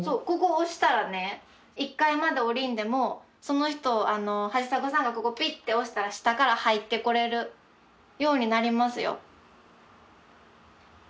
ここ押したらね１階までおりんでもその人橋迫さんがここぴって押したら下から入ってこれるようになりますよ。